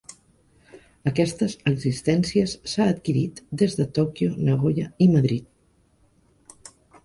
Aquestes existències s'ha adquirit des de Tòquio, Nagoya, i Madrid.